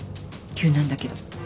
急なんだけど。